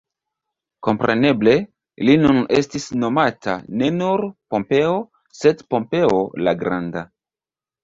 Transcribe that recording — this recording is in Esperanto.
Kompreneble, li nun estis nomata ne nur Pompeo, sed Pompeo la Granda.